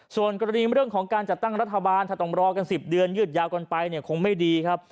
ส่วนกรณีเรื่องของการจัดตั้งรัฐบาลถ้าต้องรอกัน๑๐เดือนยืดยาวกันไปเนี่ยคงไม่ดีครับ